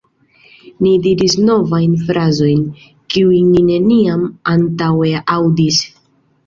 Ni diris novajn frazojn, kiujn ni neniam antaŭe aŭdis.